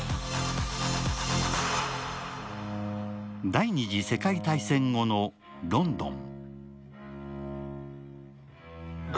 第二次世界大戦後のロンドン。